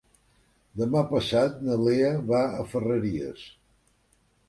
Demà passat na Lea va a Ferreries.